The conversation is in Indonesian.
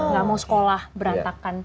gak mau sekolah berantakan